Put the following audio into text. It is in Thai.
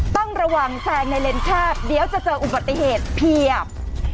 ต้องระวังแซงในเลนแคบเดี๋ยวจะเจออุบัติเหตุเพียบ